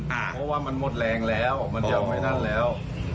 เพราะว่ามันหมดแรงแล้วมันจะเอาไว้นั่นแล้ว